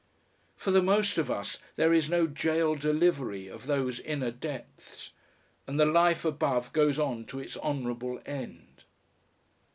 For the most of us there is no jail delivery of those inner depths, and the life above goes on to its honourable end.